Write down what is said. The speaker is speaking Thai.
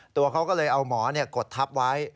ตัวเขาก็เลยเอาหมอกดทับไว้